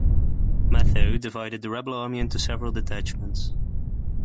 Matho divided the rebel army into several detachments.